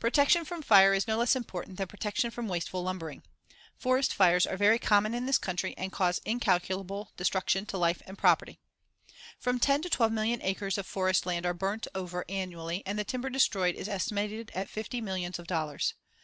Protection from fire is no less important than protection from wasteful lumbering. Forest fires are very common in this country and cause incalculable destruction to life and property; see Fig. 132. From ten to twelve million acres of forest land are burnt over annually and the timber destroyed is estimated at fifty millions of dollars.